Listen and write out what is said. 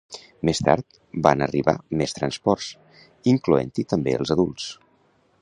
Més tard, van arribar més transports, incloent-hi també els adults.